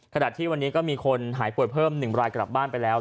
ขณะที่วันนี้ก็มีคนหายป่วยเพิ่ม๑รายกลับบ้านไปแล้ว